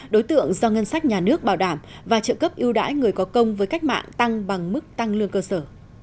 đối tượng do ngân sách nhà nước bảo đảm và trợ cấp ưu đãi người có công với cách mạng tăng bằng mức tăng lương cơ sở